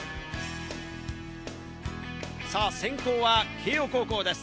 先攻は慶應高校です。